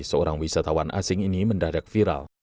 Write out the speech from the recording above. seorang wisatawan asing ini mendadak viral